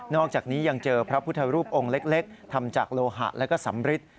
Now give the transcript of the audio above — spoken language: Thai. อกจากนี้ยังเจอพระพุทธรูปองค์เล็กทำจากโลหะและก็สำริท